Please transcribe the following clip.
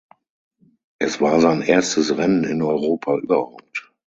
Es war sein erstes Rennen in Europa überhaupt.